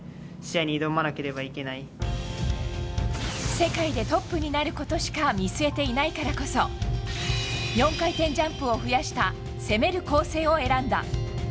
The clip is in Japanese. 世界でトップになることしか見据えていないからこそ４回転ジャンプを増やした攻める構成を選んだ。